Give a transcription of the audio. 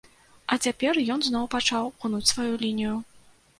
А цяпер ён зноў пачаў гнуць сваю лінію.